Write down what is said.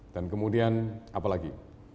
dan kemudian apa lagi